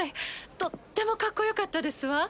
とってもかっこよかったですわ。